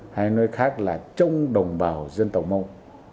hay nói khác là trong đồng bào dân tộc mông